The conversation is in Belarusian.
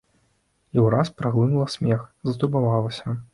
І ўраз праглынула смех, затурбавалася.